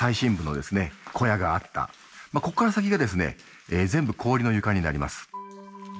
ここから先が全部氷の床になります。